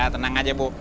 tenang aja bu